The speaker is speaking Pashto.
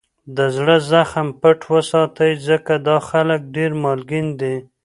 دزړه زخم پټ وساتئ! ځکه دا خلک دېر مالګین دي.